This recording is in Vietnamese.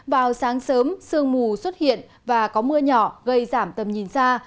vào sáng sớm sương mù xuất hiện và có mưa nhỏ gây giảm tầm nhìn xa